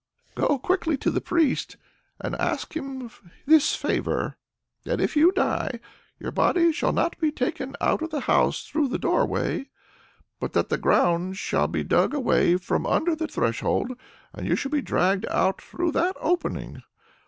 Go quickly to the priest, and ask him this favor that if you die, your body shall not be taken out of the house through the doorway, but that the ground shall be dug away from under the threshold, and that you shall be dragged out through that opening.